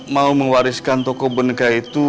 mau mewariskan toko benega itu